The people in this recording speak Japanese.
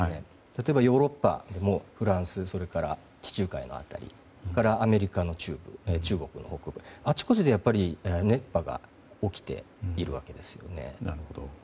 例えばヨーロッパでもフランス、それから地中海辺りアメリカの中部中国のほうなど、あちこちで熱波が起きているわけですね。